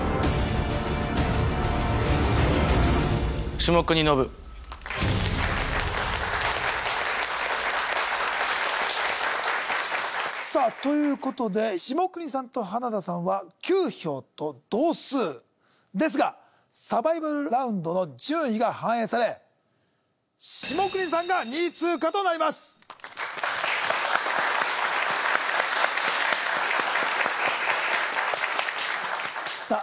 下國伸さあということで下國さんと花田さんは９票と同数ですがサバイバルラウンドの順位が反映され下國さんが２位通過となりますさあ